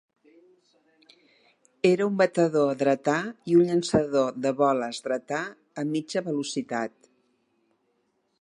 Era un batedor dretà i un llançador de boles dretà a mitja velocitat.